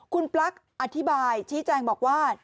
คุณปลั๊กอธิบายชี้แจงบอกว่า